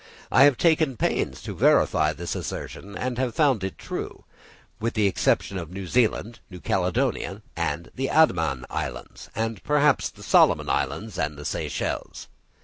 I have taken pains to verify this assertion, and have found it true, with the exception of New Zealand, New Caledonia, the Andaman Islands, and perhaps the Solomon Islands and the Seychelles.